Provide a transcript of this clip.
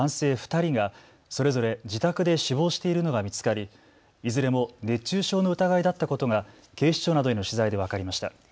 ２人がそれぞれ自宅で死亡しているのが見つかりいずれも熱中症の疑いだったことが警視庁などへの取材で分かりました。